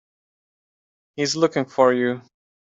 He's looking for you.